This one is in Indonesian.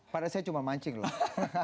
pada saya cuma mancing loh